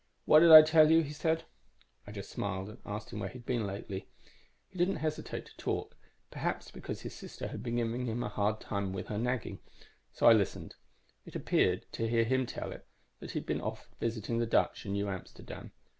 "'What did I tell you?' he said. "I just smiled and asked where he'd been lately. He didn't hesitate to talk, perhaps because his sister had been giving him a hard time with her nagging. So I listened. It appeared, to hear him tell it, that he had been off visiting the Dutch in New Amsterdam.